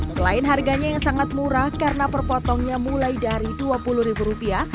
selain harganya yang sangat murah karena perpotongnya mulai dari dua puluh ribu rupiah